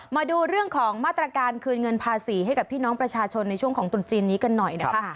มาดูเรื่องของมาตรการคืนเงินภาษีให้กับพี่น้องประชาชนในช่วงของตรุษจีนนี้กันหน่อยนะคะ